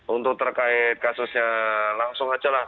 untuk terkait kasusnya langsung aja lah